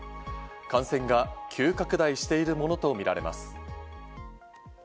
感染が急拡大しているものとみられます。